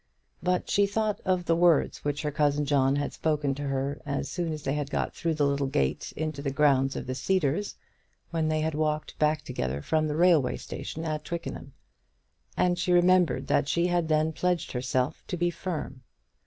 But she thought of the words which her cousin John had spoken to her as soon as they had got through the little gate into the grounds of the Cedars when they had walked back together from the railway station at Twickenham; and she remembered that she had then pledged herself to be firm.